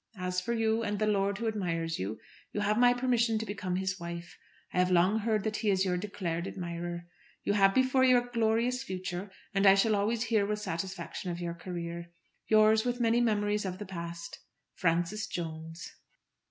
As for you, and the lord who admires you, you have my permission to become his wife. I have long heard that he is your declared admirer. You have before you a glorious future, and I shall always hear with satisfaction of your career. Yours, with many memories of the past, FRANCIS JONES.